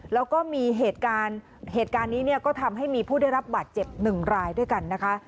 แล้วก็มีเหตุการณ์เหตุการณ์นี้เนี่ยก็ทำให้มีผู้ได้รับบาดเจ็บหนึ่งรายด้วยกันนะคะ